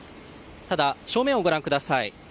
ただ、正面をご覧ください。